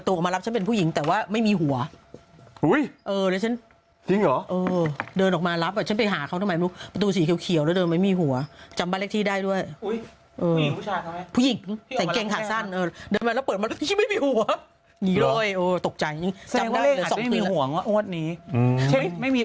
ตกใจเสียงว่าเลขอาจจะไม่มีหัวก็โอ๊ดนี้